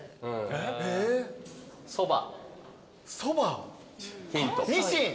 そば？